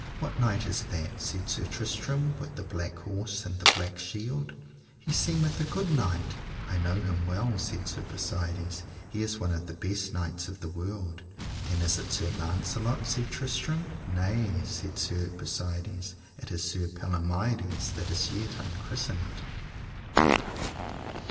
What knight is that, said Sir Tristram, with the black horse and the black shield? he seemeth a good knight. I know him well, said Sir Persides, he is one of the best knights of the world. Then is it Sir Launcelot, said Tristram. Nay, said Sir Persides, it is Sir Palomides, that is yet unchristened.